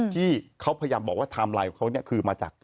ที่เขาพยายามบอกว่าไทม์ไลน์ของเขาเนี่ยคือมาจาก